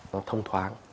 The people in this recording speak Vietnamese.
nó thông thoáng